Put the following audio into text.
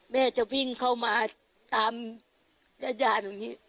แม่วิ่งเข้ามาบินในส่วนมือ